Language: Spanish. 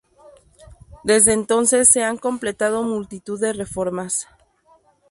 Desde entonces, se han completado multitud de reformas.